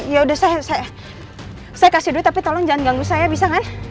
ya udah saya kasih duit tapi tolong jangan ganggu saya bisa kan